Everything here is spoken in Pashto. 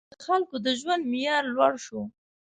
• د خلکو د ژوند معیار لوړ شو.